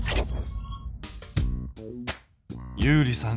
ゆうりさん